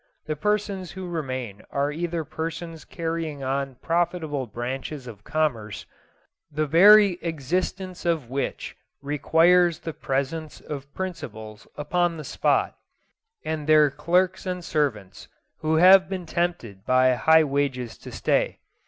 The persons who remain are either persons carrying on profitable branches of commerce, the very existence of which requires the presence of principals upon the spot, and their clerks and servants, who have been tempted by high wages to stay.